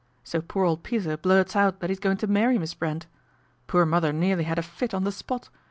So poor old Peter blurts out that he's going to marry Miss Brent. Poor mother nearly had a fit on the spot.